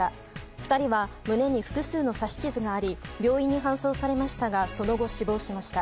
２人は胸に複数の刺し傷があり病院に搬送されましたがその後、死亡しました。